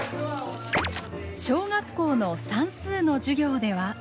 小学校の算数の授業では。